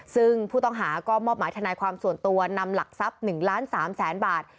ซึ่งผู้ต้องหาก็มอบหมายทนายความส่วนตัวนำหลักทรัพย์๑ล้าน๓แสนบาท